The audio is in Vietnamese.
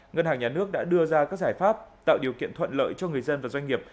ngân hàng nhà nước đã đưa ra các giải pháp tạo điều kiện thuận lợi cho người dân và doanh nghiệp